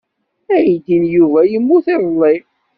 Aydi n Yuba yemmut iḍelli.